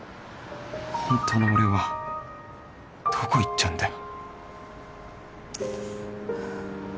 ホントの俺はどこ行っちゃうんだよ